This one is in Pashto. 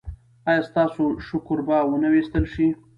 ایا ستاسو شکر به و نه ویستل شي؟